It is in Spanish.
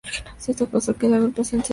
Esto causó que la agrupación se disolviera.